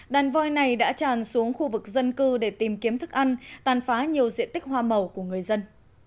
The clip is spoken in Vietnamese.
đàn voi này đã tràn xuống khu vực dân cư để tìm kiếm thức ăn tàn phá nhiều diện tích hoa màu của người dân